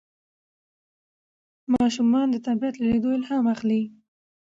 ماشومان د طبیعت له لیدلو الهام اخلي